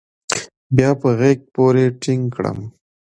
بيا يې په غېږ پورې ټينگ کړم.